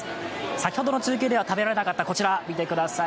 先ほどの中継では食べられなかったこちら、見てください。